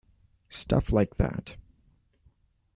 Stuff like that.